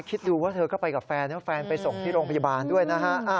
คิดดูว่าเธอก็ไปกับแฟนนะแฟนไปส่งที่โรงพยาบาลด้วยนะฮะ